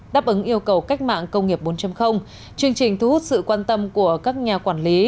đáp ứng yêu cầu cách mạng công nghiệp bốn chương trình thu hút sự quan tâm của các nhà quản lý